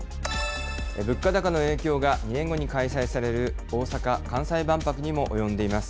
物価高の影響が２年後に開催される大阪・関西万博にも及んでいます。